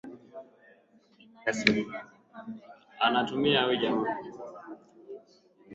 Lengo la misafara hiyo ilikuwa ni kutafuta